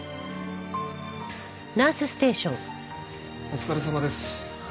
お疲れさまです。